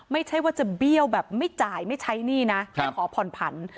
ไม่ใช่ว่าจะเบี้ยวแบบไม่จ่ายไม่ใช้หนี้นะแค่ขอผ่อนผัน